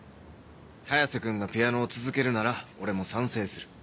早瀬君がピアノを続けるなら俺も賛成する。